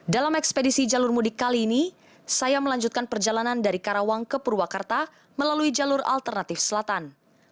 dalam ekspedisi jalur mudik kali ini saya melanjutkan perjalanan dari karawang ke purwakarta melalui jalur alternatif selatan